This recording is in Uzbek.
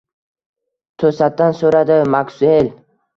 to`satdan so`radi Maksuel